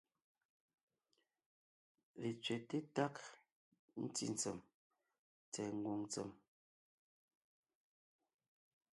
Letsẅɛ́te tág ntí ntsèm tsɛ̀ɛ ngwòŋ ntsèm,